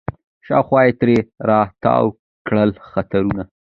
شاوخوا یې ترې را تاوکړله خطونه